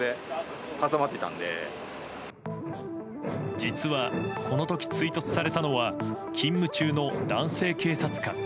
実はこの時、追突されたのは勤務中の男性警察官。